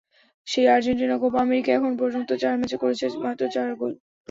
সেই Argentina Copa আমেরিকায় এখন পর্যন্ত চার ম্যাচে করেছে মাত্র চার গোল।